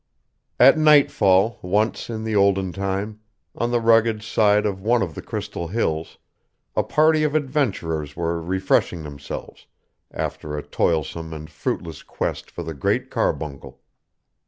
AT nightfall, once in the olden time, on the rugged side of one of the Crystal Hills, a party of adventurers were refreshing themselves, after a toilsome and fruitless quest for the Great Carbuncle.